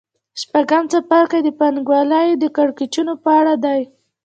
شپږم څپرکی د پانګوالۍ د کړکېچونو په اړه دی